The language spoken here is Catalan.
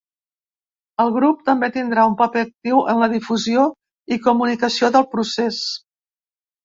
El grup també tindrà un paper actiu en la difusió i comunicació del procés.